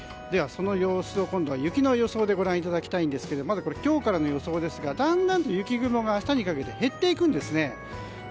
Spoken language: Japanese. その様子を今度は雪の予想でご覧いただきたいですがまず今日からの予想ですがだんだんと雪雲が明日にかけて減っていくんですね。